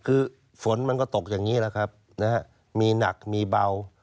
คือฝนมันก็ตกอย่างนี้แหละครับนะฮะมีหนักมีเบา